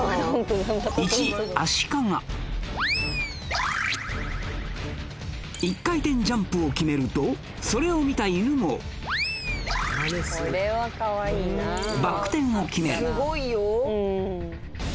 １アシカが１回転ジャンプを決めるとそれを見た犬もバック転を決める